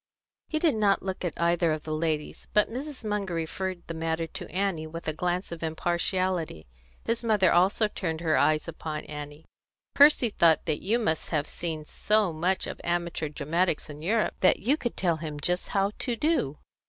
He did not look at either of the ladies, but Mrs. Munger referred the matter to Annie with a glance of impartiality. His mother also turned her eyes upon Annie. "Percy thought that you must have seen so much of amateur dramatics in Europe that you could tell him just how to do."